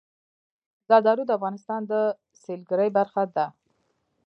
زردالو د افغانستان د سیلګرۍ برخه ده.